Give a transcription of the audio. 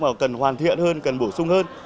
mà cần hoàn thiện hơn cần bổ sung hơn